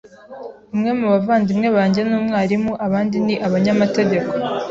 Umwe mu bavandimwe banjye ni umwarimu abandi ni abanyamategeko.